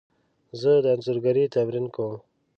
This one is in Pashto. زه د انځورګري تمرین کوم.